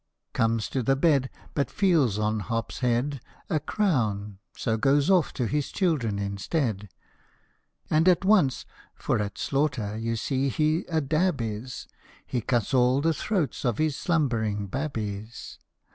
Comes to the bed, But feels on Hop's head A crown, so goes off to his children instead, And at once for at slaughter you see he a dab is He cuts all the throats of his slumbering babbies.